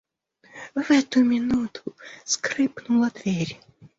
В эту минуту скрыпнула дверь.